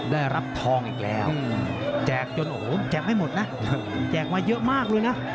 ได้รับทองอีกแล้วแจกจนโอ้โหแจกไม่หมดนะแจกมาเยอะมากเลยนะ